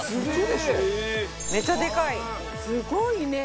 すごいね！